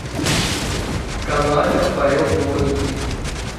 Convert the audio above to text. کڑاکہ پا یو پو نِکی